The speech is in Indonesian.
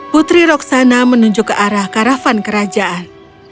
putri roksana menunjuk ke arah karavan kerajaan